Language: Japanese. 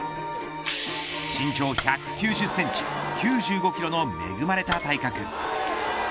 身長１９０センチ９５キロの恵まれた体格。